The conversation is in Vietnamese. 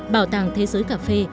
bảo tàng thế giới cà phê